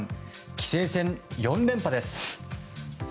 棋聖戦４連覇です。